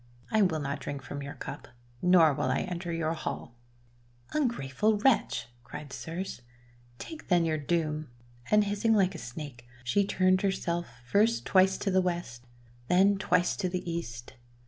I will not drink from your cup, nor will I enter your hall!' " Ungrateful wretch !" cried Circe. " Take then your doom!' And hissing like a snake, she turned herself first twice to the west, then twice to the east.